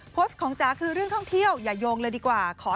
โพสต์ของจ๋าคือเรื่องท่องเที่ยวอย่าโยงเลยดีกว่า